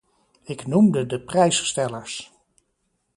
Ik noemde de prijsstellers.